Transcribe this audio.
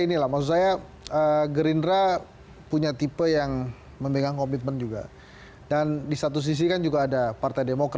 inilah masaya gerindra punya tipe yang memegang komitmen juga dan di satu sisikan juga ada partai